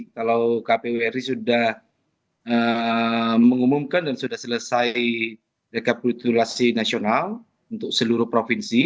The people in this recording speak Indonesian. kalau kpu ri sudah mengumumkan dan sudah selesai rekapitulasi nasional untuk seluruh provinsi